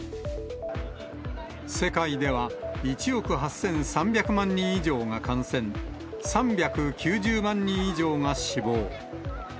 世界では１億８３００万人以上が感染、３９０万人以上が死亡。